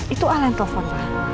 itu al yang telepon pa